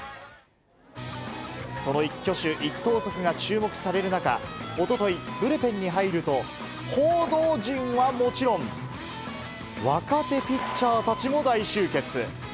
その一挙手一投足が注目される中、おととい、ブルペンに入ると報道陣はもちろん、若手ピッチャーたちも大集結。